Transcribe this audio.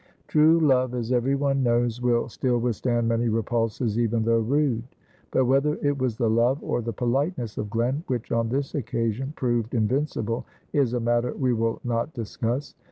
True love, as every one knows, will still withstand many repulses, even though rude. But whether it was the love or the politeness of Glen, which on this occasion proved invincible, is a matter we will not discuss.